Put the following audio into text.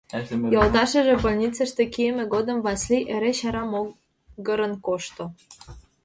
Йолташыже больницыште кийыме годым Васлий эре чара могырын кошто.